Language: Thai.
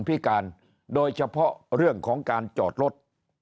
พิการโดยเฉพาะเรื่องของการจอดรถ